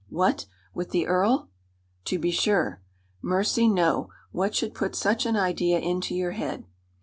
"What! with the earl?" "To be sure." "Mercy, no! What should put such an idea into your head?"